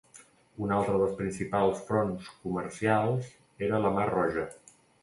Un altre dels principals fronts comercials era la mar Roja.